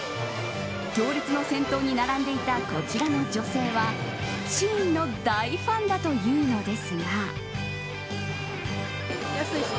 行列の先頭に並んでいたこちらの女性はＳＨＥＩＮの大ファンだというのですが。